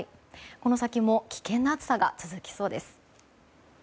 この先も危険な暑さが続きそうです。